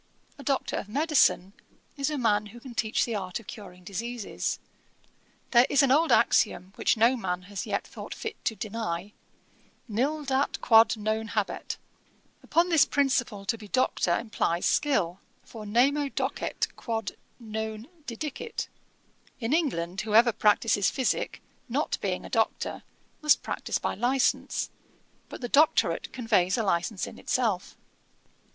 A Doctor of Medicine is a man who can teach the art of curing diseases. There is an old axiom which no man has yet thought fit to deny, Nil dat quod non habet. Upon this principle to be Doctor implies skill, for nemo docet quod non didicit. In England, whoever practises physick, not being a Doctor, must practise by a licence: but the doctorate conveys a licence in itself.